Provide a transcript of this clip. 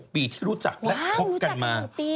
ปีที่รู้จักและคบกันมา